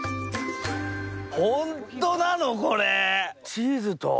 チーズと？